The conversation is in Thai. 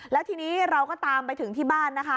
แล้วทีนี้เราก็ตามไปถึงที่บ้านนะคะ